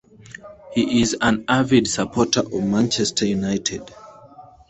He is an avid supporter of Manchester United.